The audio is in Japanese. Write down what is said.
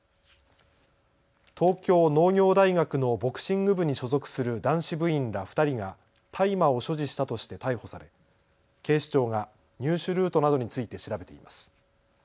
東京農業大学のボクシング部に所属する男子部員ら２人が大麻を所持したとして逮捕され警視庁が入手ルートなどについて調べています。